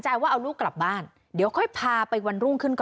ว่าเอาลูกกลับบ้านเดี๋ยวค่อยพาไปวันรุ่งขึ้นก่อน